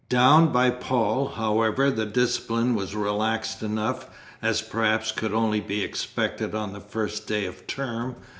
Down by Paul, however, the discipline was relaxed enough, as perhaps could only be expected on the first day of term.